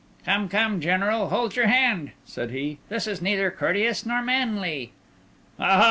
"Come, come, General, hold your hand," said he, "this is neither courteous nor manly." "Aha!"